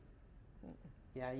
ya yang diperhatikan